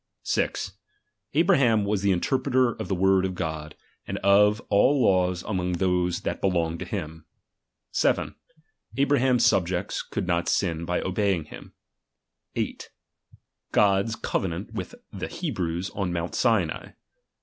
6 Abraham was the interpreter of the word of God, and of all laws among those that belonged to him. 7. Abra ham's subjects could not sin by obeying him. 8. God's cove nant with the Hebrews on Mount Sinai.